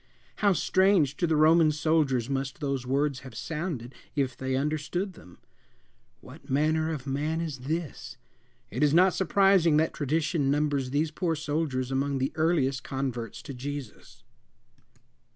How strange to the Roman soldiers must those words have sounded, if they understood them! "What manner of man is this?" It is not surprising that tradition numbers these poor soldiers among the earliest converts to Jesus.